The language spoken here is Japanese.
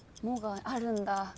「も」があるんだ。